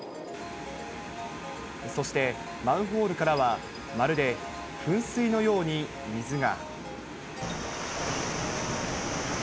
そして、マンホールからはまるで噴水のように水が。